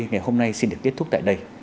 ngày hôm nay xin được kết thúc tại đây